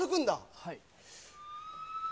はい。